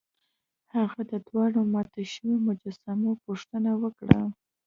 هغه د دواړو ماتو شویو مجسمو پوښتنه وکړه.